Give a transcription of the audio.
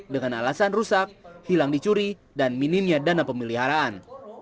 dengan alasan rusak hilang dicuri dan minimnya dana pemeliharaan